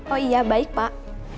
oh iya baik pak